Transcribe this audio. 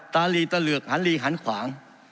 ตาลีตะเหลือกหันลีหันขวาง